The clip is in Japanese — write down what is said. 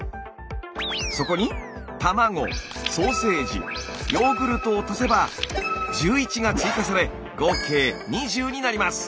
そこに卵ソーセージヨーグルトを足せば１１が追加され合計２０になります！